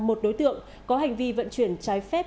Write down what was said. một đối tượng có hành vi vận chuyển trái phép